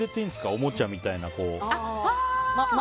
おもちゃみたいな。